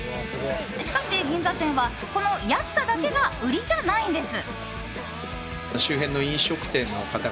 しかし銀座店は、この安さだけが売りじゃないんです。